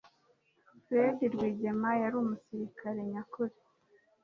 fred rwigema yari umusirilare nyakuri